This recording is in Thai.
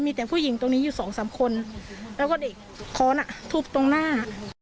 มีแต่ผู้หญิงตรงนี้อยู่สองสามคนแล้วก็เด็กค้อนอ่ะทุบตรงหน้า